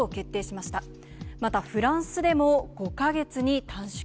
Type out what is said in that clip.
またフランスでも５か月に短縮。